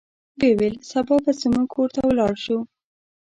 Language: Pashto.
ویې ویل سبا به زموږ کور ته ولاړ شو.